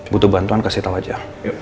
butuh bantuan kasih tahu aja